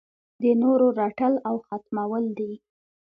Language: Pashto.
د نورو رټل او ختمول دي.